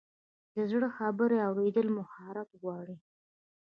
د زړه خبرې اورېدل مهارت غواړي.